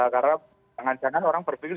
karena jangan jangan orang berpikir